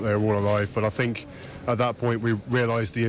ควรระเว่นมากในสถานีของเรา